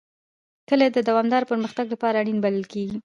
کلي د دوامداره پرمختګ لپاره اړین بلل کېږي.